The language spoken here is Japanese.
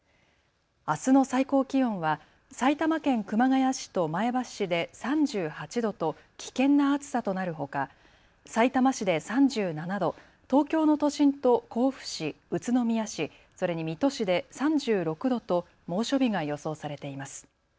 あすの最高気温は埼玉県熊谷市と前橋市で３８度と危険な暑さとなるほか、さいたま市で３７度、東京の都心と甲府市、宇都宮市、それに水戸市で３６度と猛暑日が予想されています。